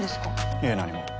いえ何も。